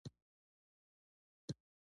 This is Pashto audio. تور او سپین پوستو تر منځ توپیرونه شته.